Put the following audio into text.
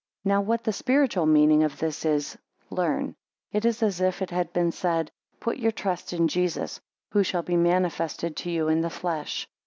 9 Now what the spiritual meaning of this is, learn; It is as if it had been said, Put your trust in Jesus, who shall be manifested to you in the flesh.